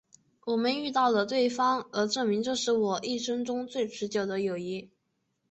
我们遇到了对方而这证明是我一生中最持久的友谊。